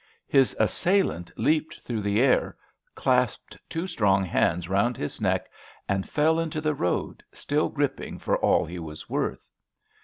His assailant leaped through the air, clasped two strong hands round his neck, and fell into the road, still gripping for all he was worth.